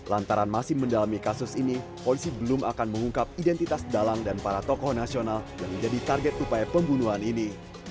lantaran masih mendalami kasus ini polisi belum akan mengungkap identitas dalang dan para tokoh nasional yang menjadi target upaya pembunuhan ini